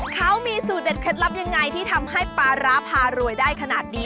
เขามีสูตรเด็ดเคล็ดลับยังไงที่ทำให้ปลาร้าพารวยได้ขนาดนี้